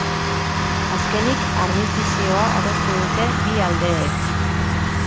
Azkenik, armistizioa adostu dute bi aldeek.